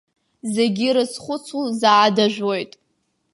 Зегьы ирызхәыцуа заа дажәуеит.